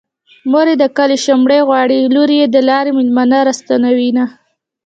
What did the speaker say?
مور يې د کلي شومړې غواړي لور يې د لارې مېلمانه راستنوينه